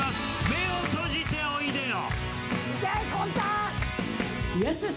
目を閉じておいでよ。